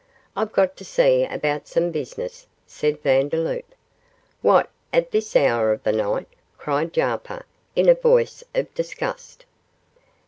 'I've got to see about some business,' said Vandeloup. 'What, at this hour of the night?' cried Jarper, in a voice of disgust.